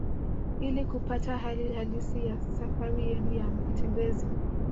Ili kupata hali halisi ya safari yenu ya matembezi